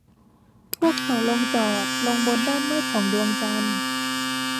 พวกเขาลงจอดลงบนด้านมืดของดวงจันทร์